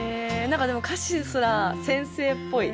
何かでも歌詞すら先生っぽい。